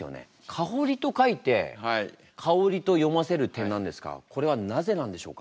「かほり」と書いて「かおり」と読ませる点なんですがこれはなぜなんでしょうか？